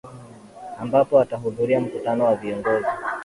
ambapo atahudhuria mkutano wa viongozi